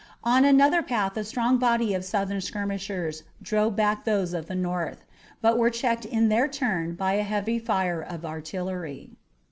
On another path a strong body of Southern skirmishers drove back those of the North, but were checked in their turn by a heavy fire of artillery.